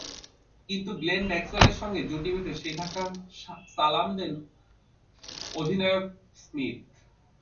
কিন্তু গ্লেন ম্যাক্সওয়েলের সঙ্গে জুটি বেঁধে সেই ধাক্কা সালাম দেন অধিনায়ক স্মিথ।